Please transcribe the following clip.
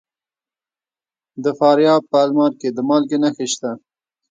د فاریاب په المار کې د مالګې نښې شته.